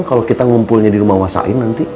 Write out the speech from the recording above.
kalau kita ngumpulnya di rumah wah sain nanti